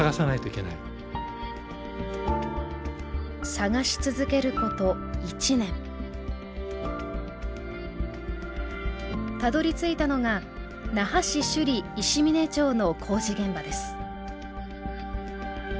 探し続けること１年たどりついたのが那覇市首里石嶺町の工事現場です